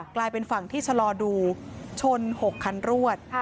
กลายเป็นฝั่งที่ชะลอดูชน๖คันรวด